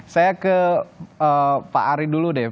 saya ke pak ari dulu deh